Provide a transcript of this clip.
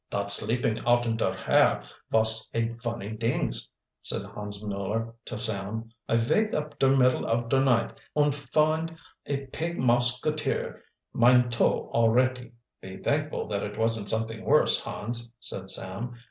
"Dot sleeping out in der air vos a funny dings," said Hans Mueller to Sam. "I vake up der middle of der night in und find a pig mouskeeter mine toe on alretty!" "Be thankful that it wasn't something worse, Hans," said Sam.